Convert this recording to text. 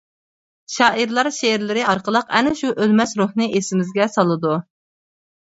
شائىرلار شېئىرلىرى ئارقىلىق ئەنە شۇ ئۆلمەس روھنى ئېسىمىزگە سالىدۇ.